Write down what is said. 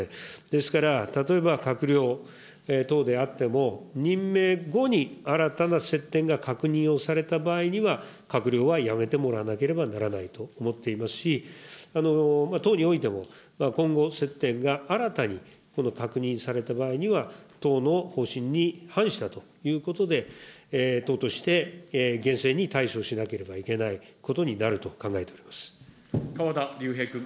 ですから例えば閣僚等であっても、任命後に新たな接点が確認をされた場合には、閣僚は辞めてもらわなければならないと思っていますし、党においても、今後、接点が新たに確認された場合には、党の方針に反したということで、党として厳正に対処しなければいけな川田龍平君。